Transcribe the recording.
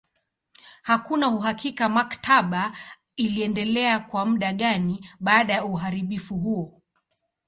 Hakuna uhakika maktaba iliendelea kwa muda gani baada ya uharibifu huo.